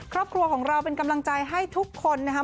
ครอบครัวของเราเป็นกำลังใจให้ทุกคนนะครับ